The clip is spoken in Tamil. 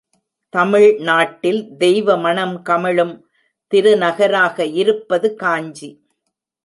தமிழ் நாட்டில் தெய்வ மணம் கமழும் திருநகராக இருப்பது காஞ்சி.